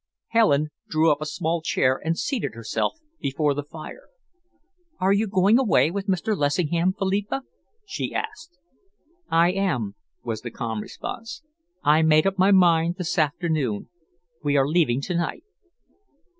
Helen drew up a small chair and seated herself before the fire. "Are you going away with Mr. Lessingham, Philippa?" she asked. "I am," was the calm response. "I made up my mind this afternoon. We are leaving to night."